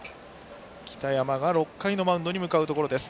北山が６回のマウンドに向かいます。